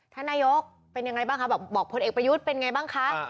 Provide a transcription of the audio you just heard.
ท่านนายกเป็นยังไงบ้างคะแบบบอกพลเอกประยุทธ์เป็นไงบ้างคะ